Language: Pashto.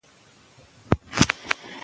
د هنر د ښه والي په اړه بحث تل دوام لري.